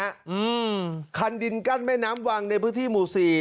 อืมคันดินกั้นแม่น้ำวังในพื้นที่หมู่สี่